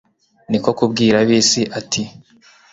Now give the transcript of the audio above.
ni ko kubgirabiisi ati